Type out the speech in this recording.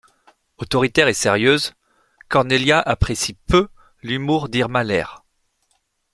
Autoritaire et sérieuse, Cornelia apprécie peu l'humour d'Irma Lair.